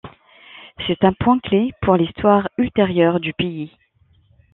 C'est un point clé pour l'histoire ultérieure du pays.